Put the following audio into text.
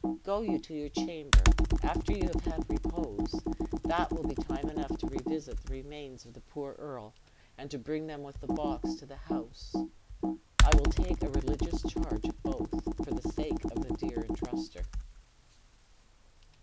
Go you to your chamber. After you have had repose, that will be time enough to revisit the remains of the poor earl, and to bring them with the box to the house. I will take a religious charge of both, for the sake of the dear intruster."